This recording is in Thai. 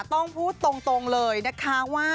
ต้องพูดตรงเลยนะคะว่า